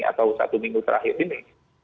atau satu minggu terakhir ini